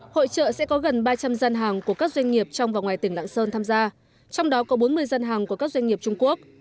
hội trợ sẽ có gần ba trăm linh gian hàng của các doanh nghiệp trong và ngoài tỉnh lạng sơn tham gia trong đó có bốn mươi dân hàng của các doanh nghiệp trung quốc